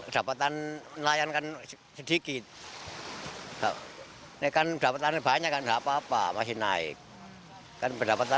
dapatan melayankan sedikit hai nekan dapatannya banyak ada apa apa masih naik dan berdapatan